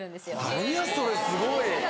何やそれすごい。